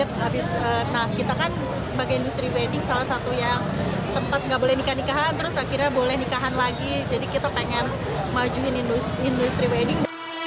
jadi kita pengen majuin industri wedding